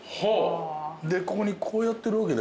でここにこうやってるわけ。